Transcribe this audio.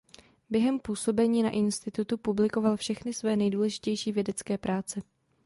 Během působení na institutu publikoval všechny své nejdůležitější vědecké práce.